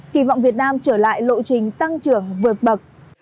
kỳ vọng việt nam trở lại lộ trình tăng trưởng vượt bậc